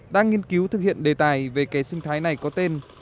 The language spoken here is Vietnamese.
đang nghiên cứu thực hiện đề tài về kè sinh thái này có tên